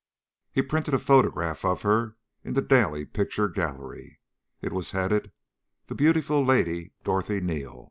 He printed a photograph of her in The Daily Picture Gallery. It was headed "The Beautiful Lady Dorothy Neal."